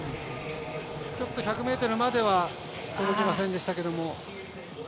ちょっと１００ｍまでは届きませんでしたけども。